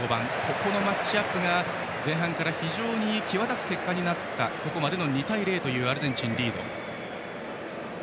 このマッチアップは前半から非常に際立つ結果になったここまでの２対０のアルゼンチンリード。